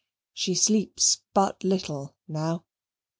She sleeps but little now.